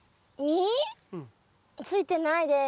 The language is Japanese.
ついてないです。